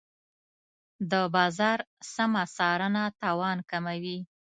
د بازار سمه څارنه تاوان کموي.